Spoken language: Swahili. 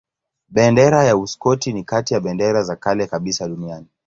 Bendera ya Uskoti ni kati ya bendera za kale kabisa duniani.